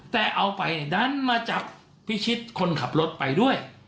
แต่เอาไปดันมาจับพิชิตคนขับรถไปด้วย